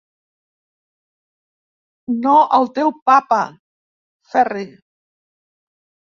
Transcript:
No el teu papa, Ferri.